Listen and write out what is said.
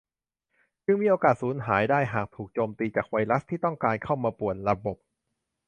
จึงมีโอกาสสูญหายได้หากถูกโจมตีจากไวรัสที่ต้องการเข้ามาป่วนระบบ